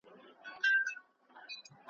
د څرمنو بد بویي ورته راتلله ,